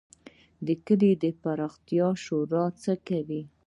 د کلي د پراختیا شورا څه کوي؟